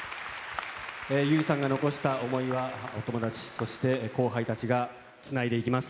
優生さんが残した思いは、お友達、そして後輩たちがつないでいきます。